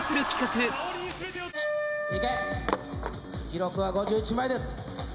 記録は５１枚です・・